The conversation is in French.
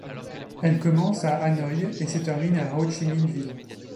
Elle commence à Hanoï et se termine à Hô-Chi-Minh-Ville.